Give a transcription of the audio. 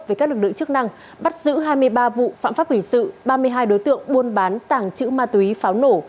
với các lực lượng chức năng bắt giữ hai mươi ba vụ phạm pháp hình sự ba mươi hai đối tượng buôn bán tàng trữ ma túy pháo nổ